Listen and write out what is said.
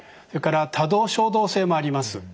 それから多動・衝動性もあります。